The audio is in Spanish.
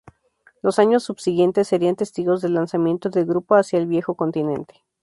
Los años subsiguientes serían testigos del lanzamiento del grupo hacia el viejo continente.